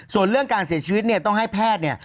ส่วนเรื่องการเสียชีวิตเนี่ยต้องให้แพทย์เนี่ย